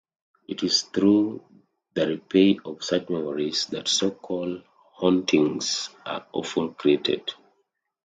It is through the replay of such memories that so-called hauntings are often created.